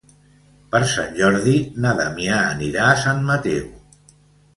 Per Sant Jordi na Damià anirà a Sant Mateu.